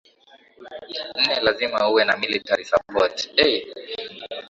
nne lazima uwe na military support eeh